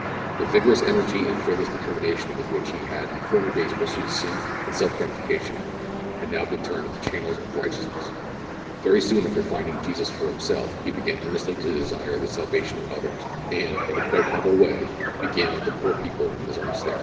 The vigorous energy and fearless determination with which he had in former days pursued sin and self gratification had now been turned into channels of righteousness. Very soon after finding Jesus for himself, he began earnestly to desire the salvation of others, and, in a quiet humble way, began with the poor people in his own stair.